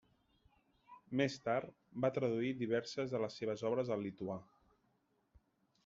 Més tard va traduir diverses de les seves obres al lituà.